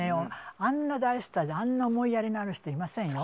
あんな大スターであんなに思いやりのある人いませんよ。